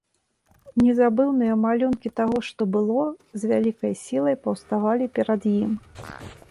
Незабыўныя малюнкі таго, што было, з вялікай сілай паўставалі перад ім.